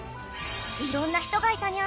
いろんな人がいたにゃ。